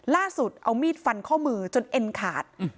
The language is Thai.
ล่าสุดเอามีดฟันข้อมือจนเอ็นขาด